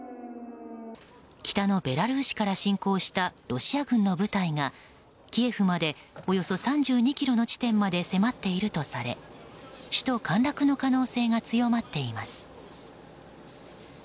北のベラルーシから侵攻したロシア軍の部隊がキエフまでおよそ３２ｋｍの地点まで迫っているとされ首都陥落の可能性が強まっています。